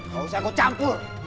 gak usah aku campur